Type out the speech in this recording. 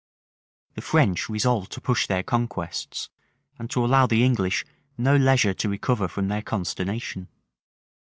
The French resolved to push their conquests, and to allow the English no leisure to recover from their consternation.